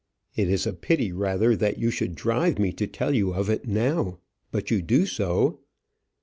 "It is a pity rather that you should drive me to tell you of it now; but you do so.